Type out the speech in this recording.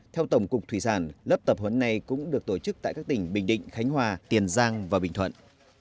theo tổng cục thủy sản lớp tập huấn này cũng được tổ chức tại các tỉnh bình định khánh hòa tiền giang và bình thuận